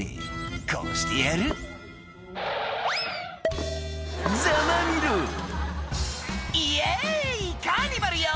「こうしてやる」「ザマみろ」「イエイカーニバルよ！」